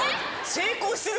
成功してる？